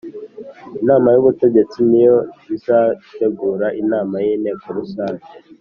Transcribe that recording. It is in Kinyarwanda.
Inama y’ ubutegetsi niyo izategura inama y’inteko rusange